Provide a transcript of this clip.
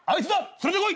連れてこい！」。